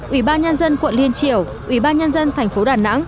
ủy ban nhân dân quận liên triểu ủy ban nhân dân thành phố đà nẵng